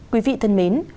quý vị thân mến